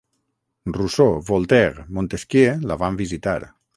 Rousseau, Voltaire, Montesquieu la van visitar.